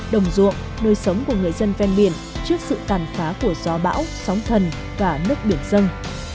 đồng ruộng nơi sống của người dân ven biển trước sự tàn phá của gió bão sóng thần và nước biển dân